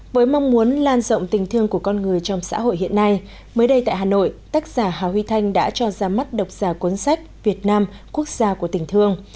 với mong muốn lan rộng tình thương của con người trong xã hội hiện nay mới đây tại hà nội tác giả hà huy thanh đã cho ra mắt độc giả cuốn sách việt nam quốc gia của tình thương